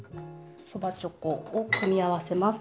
そばちょこを組み合わせます。